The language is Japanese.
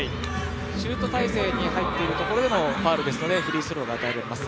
シュート体勢に入っているところでのファウルですのでフリースローが与えられます。